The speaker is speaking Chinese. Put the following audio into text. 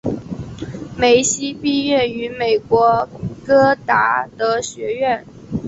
梅西毕业于美国戈达德学院。